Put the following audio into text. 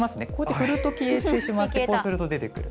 振ると消えてしまってこうすると出てくる。